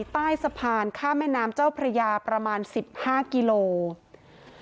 ใต้สะพานข้ามแม่น้ำเจ้าพระยาประมาณ๑๕กิโลกรัม